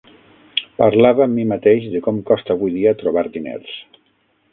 Parlava amb mi mateix de com costa avui dia trobar diners.